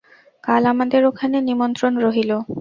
কাল আমাদের ওখানে নিমন্ত্রণ রহিল!